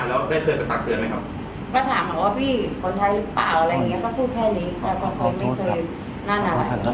แล้วได้เคยไปตักเตือนไหมครับก็ถามว่าพี่คนไทยหรือเปล่าอะไรอย่างเงี้ย